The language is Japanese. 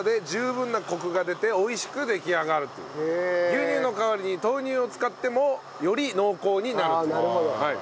牛乳の代わりに豆乳を使ってもより濃厚になるという。